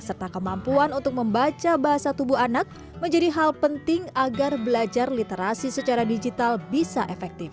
serta kemampuan untuk membaca bahasa tubuh anak menjadi hal penting agar belajar literasi secara digital bisa efektif